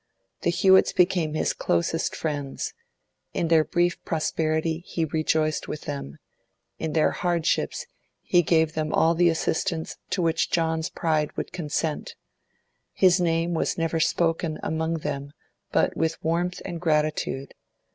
The Hewetts became his closest friends; in their brief prosperity he rejoiced with them, in their hardships he gave them all the assistance to which John's pride would consent; his name was never spoken among them but with warmth and gratitude.